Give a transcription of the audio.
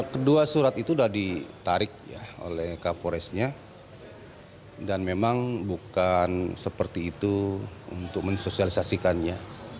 kedua surat itu sudah ditarik oleh kapolresnya dan memang bukan seperti itu untuk mensosialisasikannya